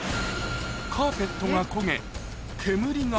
カーペットが焦げ、煙が。